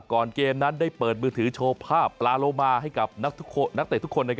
ก่อนเกมนั้นได้เปิดมือถือโชว์ภาพปลาโลมาให้กับนักเตะทุกคน